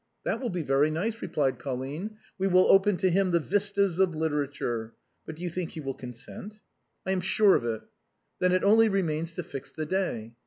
" That will be very nice," replied Colline ;" we will open to him the vistas of literature; but do you think he will consent ?"" I am sure of it." " Then it only remains to fix the day."